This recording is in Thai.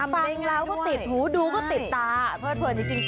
ฟังแล้วก็ติดหูดูก็ติดตาเพิดเผินจริง